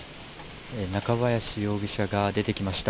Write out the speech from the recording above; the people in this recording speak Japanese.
中林容疑者が出てきました。